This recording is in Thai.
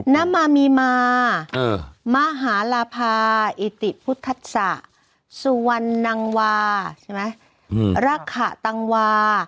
น้ำมามีมามาหาลาภาอิติพุทธัสสะสุวันนังวารัคฮะตังวา